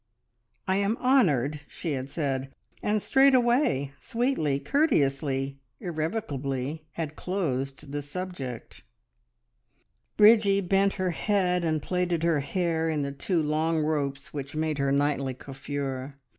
"I am honoured!" she had said, and straightway, sweetly, courteously, irrevocably, had closed the subject. Bridgie bent her head and plaited her hair in the two long ropes which made her nightly coiffure.